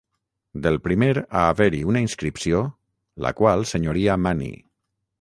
Del primer a haver-hi una inscripció, la qual Senyoria mani.